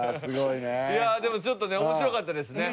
いやあでもちょっとね面白かったですね。